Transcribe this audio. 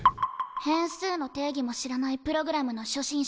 変数の定義も知らないプログラムの初心者が？